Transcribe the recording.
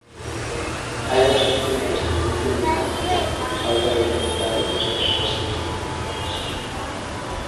Hai ausencia de investimento en innovación e falta de dignidade para as persoas investigadoras.